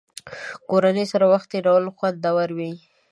کورنۍ سره وخت تېرول خوندور وي.